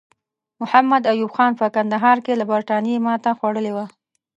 محمد ایوب خان په کندهار کې له برټانیې ماته خوړلې وه.